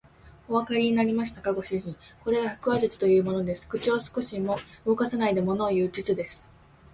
おわかりになりましたか、ご主人。これが腹話術というものです。口を少しも動かさないでものをいう術です。